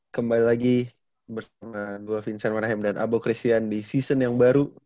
kembali lagi bersama gue vincent manahem dan abokristian di season yang baru